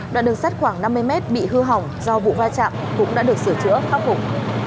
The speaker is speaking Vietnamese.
đoạn đường sắt khoảng năm mươi mét bị hư hỏng do vụ va chạm cũng đã được sửa chữa khắc phục